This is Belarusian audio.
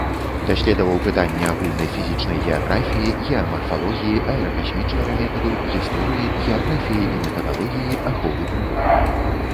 Даследаваў пытанні агульнай фізічнай геаграфіі, геамарфалогіі, аэракасмічнага метаду, гісторыі, геаграфіі і метадалогіі, аховы прыроды.